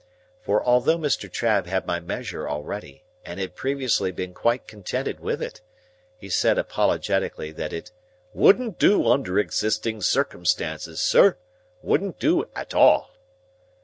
For although Mr. Trabb had my measure already, and had previously been quite contented with it, he said apologetically that it "wouldn't do under existing circumstances, sir,—wouldn't do at all."